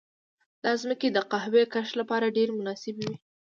دا ځمکې د قهوې کښت لپاره ډېرې مناسبې وې.